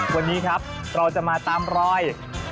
วันนี้ครับเราจะมาตามรอย